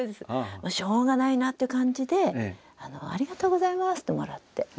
もうしょうがないなっていう感じで「ありがとうございます！」ってもらって。